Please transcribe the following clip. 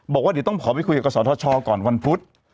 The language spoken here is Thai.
บอกว่าเดี๋ยวต้องขอไปคุยกับกศธชก่อนวันพุธ